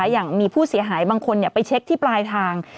อย่างมีผู้เสียหายบางคนไปเช็คที่ปลายทาง